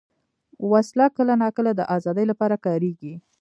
وسله کله ناکله د ازادۍ لپاره کارېږي